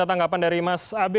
atanggapan dari mas abe